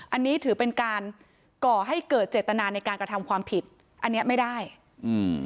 อันนี้ถือเป็นการก่อให้เกิดเจตนาในการกระทำความผิดอันเนี้ยไม่ได้อืม